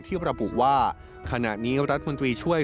ระบุว่าขณะนี้รัฐมนตรีช่วย